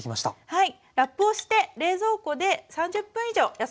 はい。